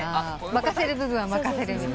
任せる部分は任せるみたいな？